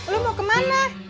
lu mau kemana